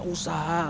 mau buka usaha